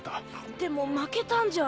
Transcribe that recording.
でも負けたんじゃ。